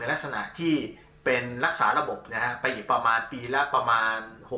ลักษณะที่เป็นรักษาระบบนะฮะไปอีกประมาณปีละประมาณ